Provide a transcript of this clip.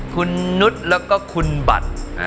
คุณนุษย์แล้วก็คุณบัตร